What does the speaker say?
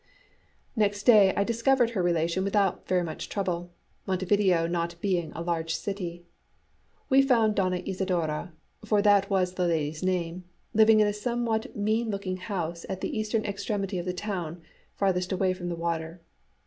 Next day I discovered her relation without very much trouble, Montevideo not being a large city. We found Doña Isidora for that was the lady's name living in a somewhat mean looking house at the eastern extremity of the town, farthest away from the water.